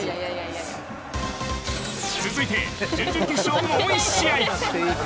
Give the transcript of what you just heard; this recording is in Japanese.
続いて、準々決勝もう１試合。